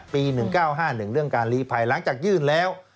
๑๙๕๑เรื่องการลีภัยหลังจากยื่นแล้ว